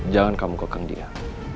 jangan kamu kekendiaan